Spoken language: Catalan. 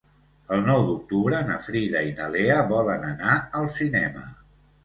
El nou d'octubre na Frida i na Lea volen anar al cinema.